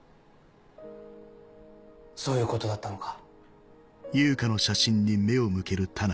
そういうことだったのか。